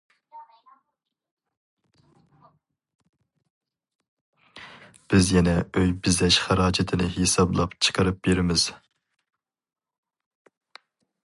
بىز يەنە ئۆي بېزەش خىراجىتىنى ھېسابلاپ چىقىرىپ بېرىمىز.